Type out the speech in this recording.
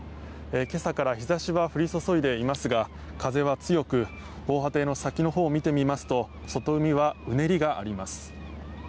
今朝から日差しは降り注いでいますが風は強く、防波堤の先のほうを見てみますと外海はうねりがあります。